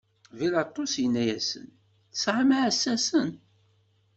Bilaṭus inna-asen: Tesɛam iɛessasen.